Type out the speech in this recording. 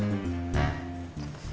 rakyat ini pavul roh chandra palawan